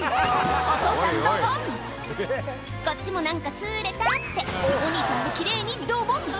お父さんドボンこっちも何か釣れたってお兄さんも奇麗にドボン